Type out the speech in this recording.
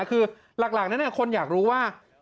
คือหลักคนอยากรู้ว่า